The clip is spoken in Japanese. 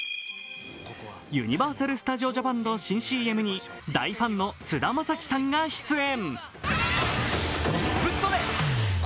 ユニバーサル・スタジオ・ジャパンの新ＣＭに大ファンの菅田将暉さんが出演。